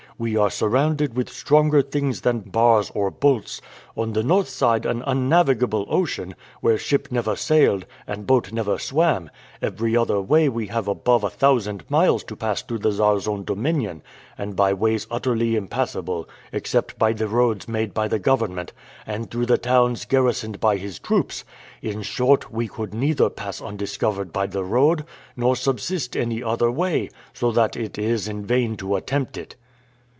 We are surrounded with stronger things than bars or bolts; on the north side, an unnavigable ocean, where ship never sailed, and boat never swam; every other way we have above a thousand miles to pass through the Czar's own dominion, and by ways utterly impassable, except by the roads made by the government, and through the towns garrisoned by his troops; in short, we could neither pass undiscovered by the road, nor subsist any other way, so that it is in vain to attempt it."